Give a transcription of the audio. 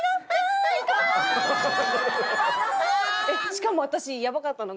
しかも私やばかったのが。